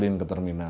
tidak ada apa apa